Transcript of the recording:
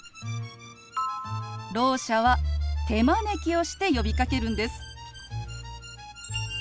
ろう者は手招きをして呼びかけるんです。